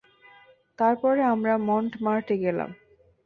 তারপরে আমরা মন্টমার্টে গেলাম।